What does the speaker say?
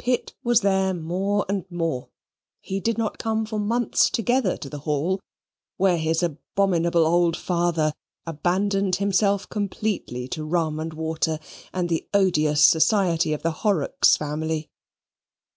Pitt was there more and more. He did not come for months together to the Hall, where his abominable old father abandoned himself completely to rum and water, and the odious society of the Horrocks family.